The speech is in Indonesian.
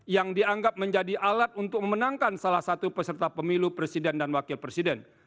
yang dianggap menjadi alat untuk memenangkan salah satu peserta pemilu presiden dan wakil presiden